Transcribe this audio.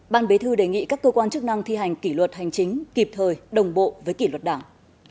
ban bế thư đề nghị các cơ quan chức năng thi hành kỷ luật hành chính kịp thời đồng bộ với kỷ luật đảng